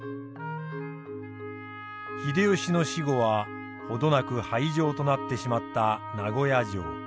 秀吉の死後は程なく廃城となってしまった名護屋城。